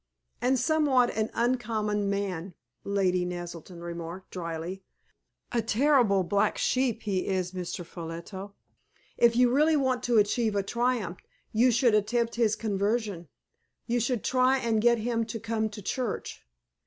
"And somewhat an uncommon man!" Lady Naselton remarked, dryly. "A terrible black sheep he is, Mr. Ffolliot. If you really want to achieve a triumph you should attempt his conversion. You should try and get him to come to church.